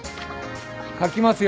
書きますよ。